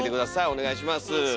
お願いします